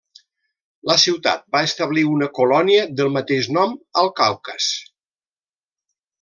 La ciutat va establir una colònia del mateix nom al Caucas.